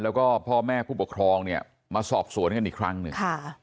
แล้วก็พ่อแม่ผู้ปกครองเนี่ยมาสอบสวนกันอีกครั้งหนึ่ง